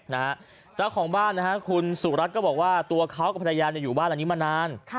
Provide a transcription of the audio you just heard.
เจ้าของบ้านนะฮะคุณสุรัตน์ก็บอกว่าตัวเขากับภรรยาอยู่บ้านหลังนี้มานาน